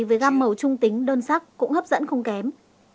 với gam màu trung tính đơn sắc cũng hấp dẫn không kém